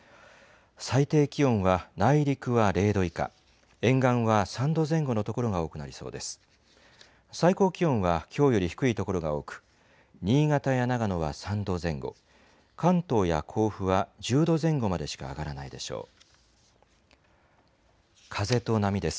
最低気温は、内陸は０度以下、沿岸は３度前後の所が多くなりそうです。